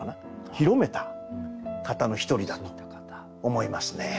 広めた方の一人だと思いますね。